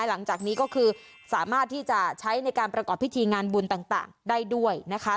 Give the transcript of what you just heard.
หลังจากนี้ก็คือสามารถที่จะใช้ในการประกอบพิธีงานบุญต่างได้ด้วยนะคะ